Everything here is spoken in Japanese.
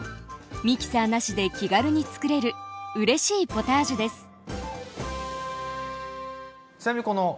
ミキサーなしで気軽につくれるうれしいポタージュです。